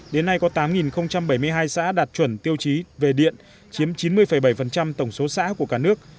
đến nay có tám bảy mươi hai xã đạt chuẩn tiêu chí về điện chiếm chín mươi bảy tổng số xã của cả nước